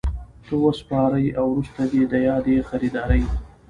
ته وسپاري او وروسته دي د یادي خریدارۍ